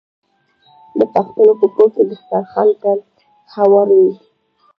د پښتنو په کور کې دسترخان تل هوار وي.